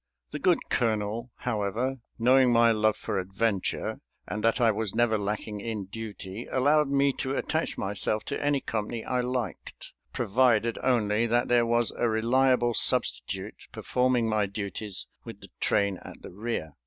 The good colonel, however, knowing my love for adventure, and that I was never lacking in duty, allowed me to attach myself to any company I liked, provided only, that there was a reliable substitute performing my duties with the train at the rear.